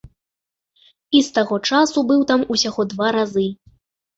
І з таго часу быў там усяго два разы.